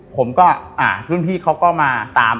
ผมก็รุ่นพี่เขาก็มาตาม